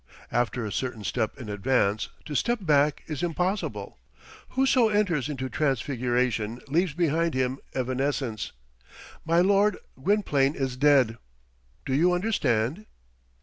After a certain step in advance, to step back is impossible. Whoso enters into transfiguration, leaves behind him evanescence. My lord, Gwynplaine is dead. Do you understand?"